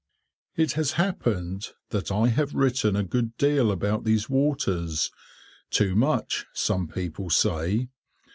It has happened that I have written a good deal about these waters—too much, some people say.